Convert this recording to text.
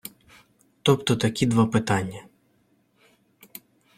Тобто такі два питання.